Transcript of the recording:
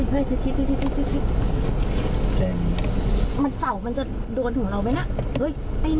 นี่คือคาตากูเลยนะรึเปลี่ยน